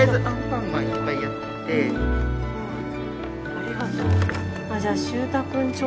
ありがとう。